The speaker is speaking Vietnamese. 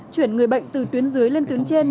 chuyển người bệnh từ tuyến dưới lên tuyến trên